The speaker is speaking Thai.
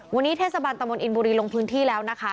วันนี้เทศบาลตะมนอินบุรีลงพื้นที่แล้วนะคะ